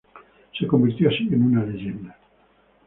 Se convirtió así en una leyenda.